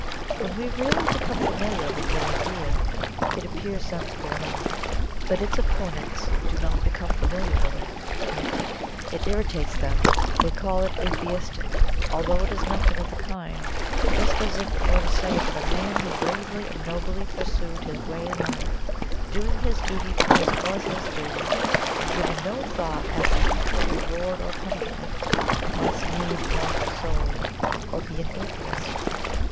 When we really become familiar with the idea, it appears sensible enough. But its opponents do not become familiar with it, it irritates them, they call it Atheistic, although it is nothing of the kind, just as if we were to say that a man who bravely and nobly pursued his way in life, doing his duty because it was his duty, and giving no thought as to future reward or punishment, must needs want soul or be an Atheist.